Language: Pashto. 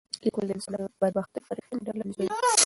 لیکوال د انسانانو بدبختي په رښتیني ډول انځوروي.